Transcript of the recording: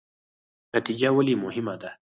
نتیجه ولې مهمه ده؟